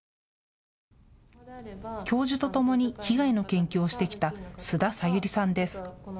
教授とともに被害の研究をしてきた須田小百合さんです。